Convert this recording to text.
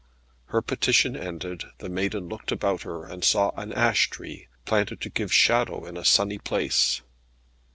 Her petition ended, the maiden looked about her, and saw an ash tree, planted to give shadow in a sunny place.